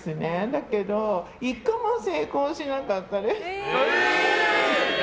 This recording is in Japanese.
だけど１個も成功しなかったです。